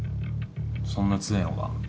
そんな強えのか？